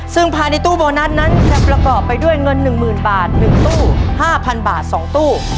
ซึ่งภายในตู้โบนัสนั้นจะประกอบไปด้วยเงิน๑๐๐๐บาท๑ตู้๕๐๐บาท๒ตู้